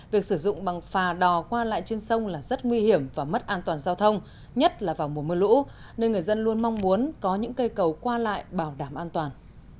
việc sử dụng bằng phà đò qua lại trên sông là rất nguy hiểm và mất an toàn giao thông nhất là vào mùa mưa lũ nên người dân luôn mong muốn có những cây cầu qua lại bảo đảm an toàn